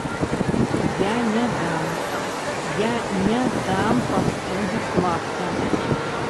Я не дам, я не дам паскудзіць лапця!